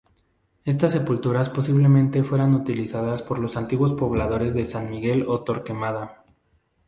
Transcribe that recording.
Estas sepulturas posiblemente fueran utilizadas por los antiguos pobladores de San Miguel o Torquemada.